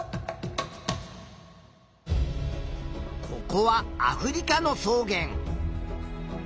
ここはアフリカの草原。